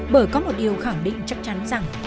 bởi có một điều khẳng định chắc chắn rằng